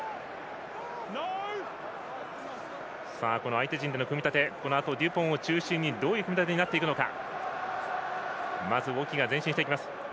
相手陣での組み立てデュポンを中心にどういう組み立てになっていくか。